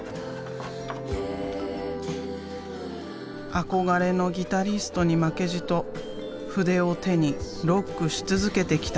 憧れのギタリストに負けじと筆を手にロックし続けてきた。